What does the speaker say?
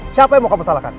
siapa yang mau kamu salahkan